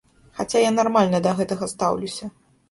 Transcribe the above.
Хаця я нармальна да гэтага стаўлюся.